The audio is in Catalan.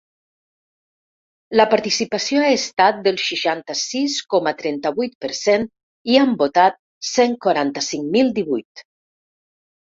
La participació ha estat del seixanta-sis coma trenta-vuit per cent i han votat cent quaranta-cinc mil divuit.